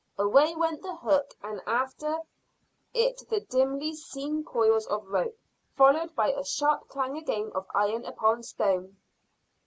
Away went the hook, and after it the dimly seen coils of rope, followed by a sharp clang again of iron upon stone.